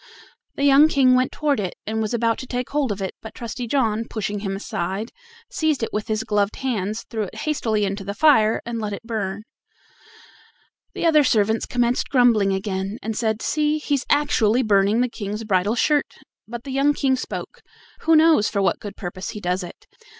The young King went toward it and was about to take hold of it, but Trusty John, pushing him aside, seized it with his gloved hands, threw it hastily into the fire, and let it burn The other servants commenced grumbling again, and said: "See, he's actually burning the King's bridal shirt." But the young King spoke: "Who knows for what good purpose he does it?